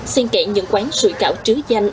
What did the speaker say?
xuyên kể những quán sủi cảo trứ danh